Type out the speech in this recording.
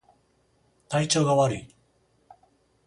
体調が悪い